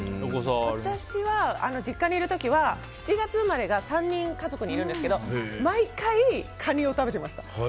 私は実家にいる時に７月生まれが家族に３人いるんですけど毎回、カニを食べてました。